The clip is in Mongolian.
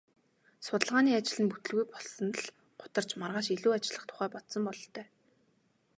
Судалгааны ажил нь бүтэлгүй болсонд л гутарч маргааш илүү ажиллах тухай бодсон бололтой.